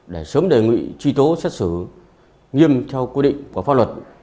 để sớm đề nghị truy tố xét xử nghiêm theo quy định của pháp luật